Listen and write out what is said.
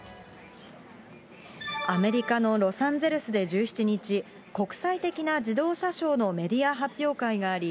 アメリカのロサンゼルスで１７日、国際的な自動車ショーのメディア発表会があり、